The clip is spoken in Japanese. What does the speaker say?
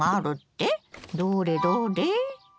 どれどれ？